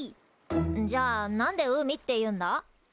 じゃあ何で海っていうんだ？